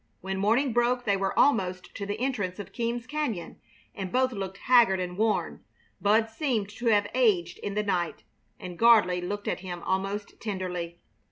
When morning broke they were almost to the entrance of Keams Cañon and both looked haggard and worn. Bud seemed to have aged in the night, and Gardley looked at him almost tenderly.